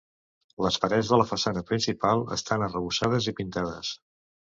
Les parets de la façana principal estan arrebossades i pintades.